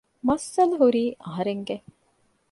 މައްސަލަ ހުރީ އަހަރެންގެ